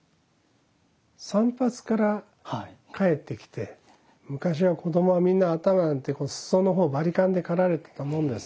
散髪から帰ってきて昔は子どもはみんな頭なんて裾の方をバリカンで刈られてたもんです。